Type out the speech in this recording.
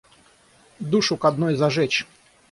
Душу к одной зажечь!